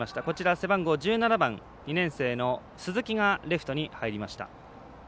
背番号１７番、２年生の鈴木がレフトに入りました。